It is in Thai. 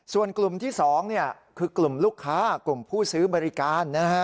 ส่วนกลุ่มที่๒คือกลุ่มลูกค้ากลุ่มผู้ซื้อบริการนะฮะ